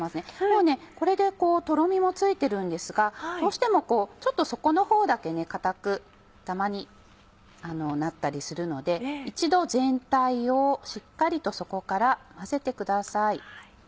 もうこれでとろみもついてるんですがどうしてもちょっと底のほうだけ硬くダマになったりするので一度全体をしっかりと底から混ぜてください。